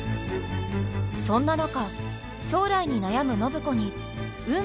そんな中将来に悩む暢子に何？